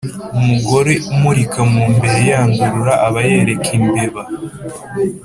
Umugore umurika mu mbere yandurura, aba yereka imbeba.